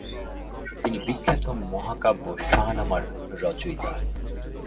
তিনি বিখ্যাত মহাকাব্য শাহনামার রচয়িতা।